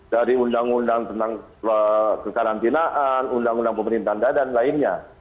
dari undang undang tentang kekarantinaan undang undang pemerintahan dan lainnya